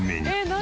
何？